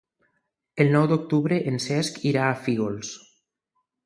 El nou d'octubre en Cesc irà a Fígols.